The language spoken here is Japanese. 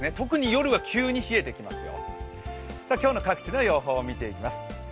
特に夜は急に冷えてきますよ。